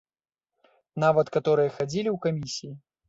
Нават каторыя хадзілі ў камісіі.